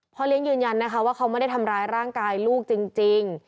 เลี้ยงยืนยันนะคะว่าเขาไม่ได้ทำร้ายร่างกายลูกจริง